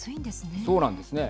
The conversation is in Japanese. そうなんですね。